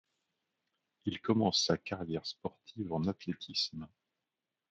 Il commence sa carrière sportive en athlétisme.